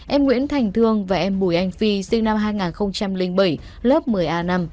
em nguyễn thành thương và em bùi anh phi sinh năm hai nghìn bảy lớp một mươi a năm